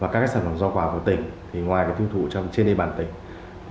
các sản phẩm rau quả của tỉnh thì ngoài tiêu thụ trên địa bàn tỉnh